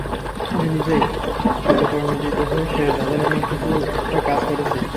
আমি নিজেই স্বতঃপ্রণোদিত হয়ে শেষ ধাঁধাটা নিয়ে কিছুটা কাজ করেছি।